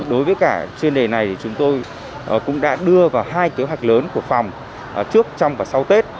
đối với cả chuyên đề này chúng tôi cũng đã đưa vào hai kế hoạch lớn của phòng trước trong và sau tết